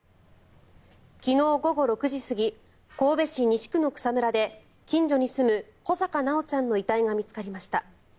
昨日午後６時過ぎ神戸市西区の草むらで近所に住む穂坂修ちゃんの遺体が見つかりました。